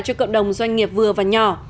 cho cộng đồng doanh nghiệp vừa và nhỏ